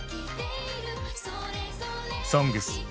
「ＳＯＮＧＳ」